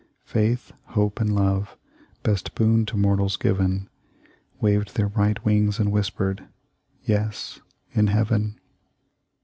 Faith, Hope, and Love, best boon to mortals given, Waved their bright wings and whispered, Yes, in Heaven."